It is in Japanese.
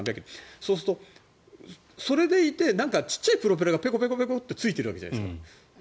そうすると、それでいて小さいプロペラがペコペコペコってついてるわけじゃないですか。